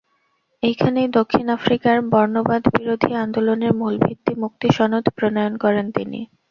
এখানেই দক্ষিণ আফ্রিকার বর্ণবাদবিরোধী আন্দোলনের মূল ভিত্তি মুক্তি সনদ প্রণয়ন করেন তিনি।